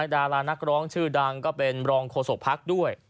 ดารานักร้องชื่อดังก็เป็นรองโฆษกภักดิ์ด้วย